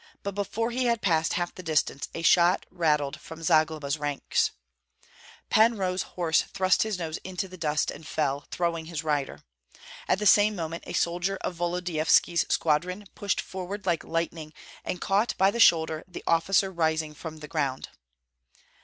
But before he had passed half the distance a shot rattled from Zagloba's ranks. Pan Roh's horse thrust his nose into the dust and fell, throwing his rider. At the same moment a soldier of Volodyovski's squadron pushed forward like lightning, and caught by the shoulder the officer rising from the ground.